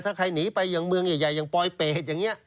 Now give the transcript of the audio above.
ถ้าใครหนีไปอย่างเมืองใหญ่อย่างปลอยเปรตอย่างนี้